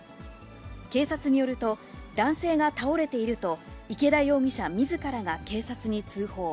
警察によると、男性が倒れていると、池田容疑者みずからが警察に通報。